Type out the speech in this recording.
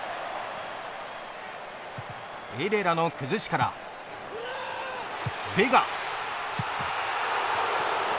エレラの崩しからベガ。